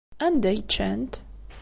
Anda ay ččant?